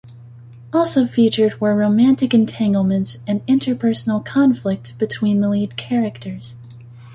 Also featured were romantic entanglements and interpersonal conflict between the lead characters.